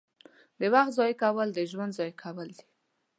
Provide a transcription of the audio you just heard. • د وخت ضایع کول د ژوند ضایع کول دي.